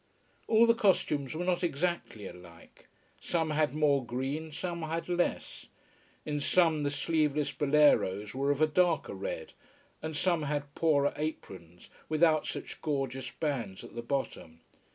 All the costumes were not exactly alike. Some had more green, some had less. In some the sleeveless boleros were of a darker red, and some had poorer aprons, without such gorgeous bands at the bottom.